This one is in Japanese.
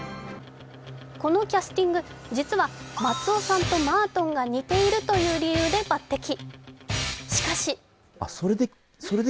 このキャスティング、実は松尾さんとマートンが似ているという理由で抜てき。